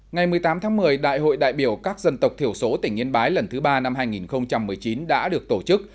ngày một mươi tám tháng một mươi đại hội đại biểu các dân tộc thiểu số tỉnh yên bái lần thứ ba năm hai nghìn một mươi chín đã được tổ chức